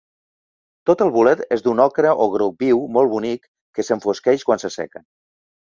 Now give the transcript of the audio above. Tot el bolet és d'un ocre o groc viu molt bonic que s'enfosqueix quan s'asseca.